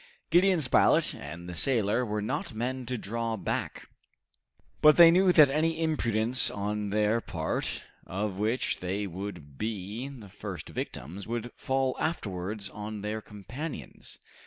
Gideon Spilett and the sailor were not men to draw back, but they knew that any imprudence on their part, of which they would be the first victims, would fall afterwards on their companions.